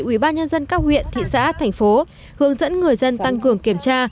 ubnd các huyện thị xã thành phố hướng dẫn người dân tăng cường kiểm tra